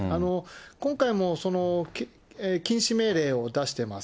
今回も禁止命令を出してます。